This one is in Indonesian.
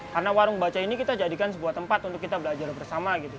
karena warung baca ini kita jadikan sebuah tempat untuk kita belajar bersama